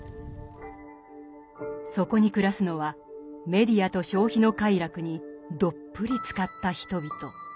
そこに暮らすのはメディアと消費の快楽にどっぷりつかった人々。